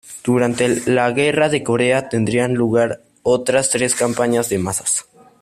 Durante la Guerra de Corea, tendrían lugar otras tres campañas de masas.